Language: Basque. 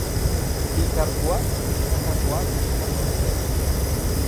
Bi karguak txandakakoak izango dira.